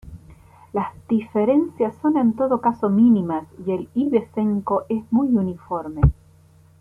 Las diferencias son en todo caso mínimas y el ibicenco es muy uniforme.